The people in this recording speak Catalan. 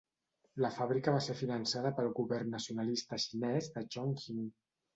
La fàbrica va ser finançada pel govern nacionalista xinès de Chongqing.